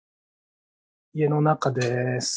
家の中です。